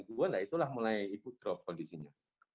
itulah mulai ibu drop kondisinya